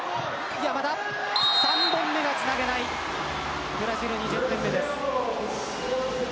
３本目がつなげないブラジル２０点目です。